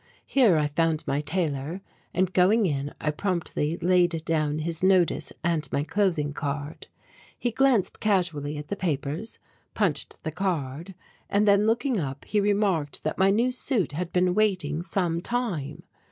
Here I found my tailor and going in I promptly laid down his notice and my clothing card. He glanced casually at the papers, punched the card and then looking up he remarked that my new suit had been waiting some time.